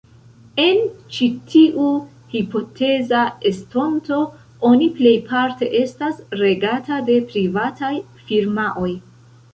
En ĉi tiu hipoteza estonto oni plejparte estas regata de privataj firmaoj.